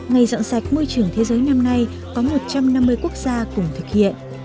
ngày dọn sạch môi trường thế giới năm nay có một trăm năm mươi quốc gia cùng thực hiện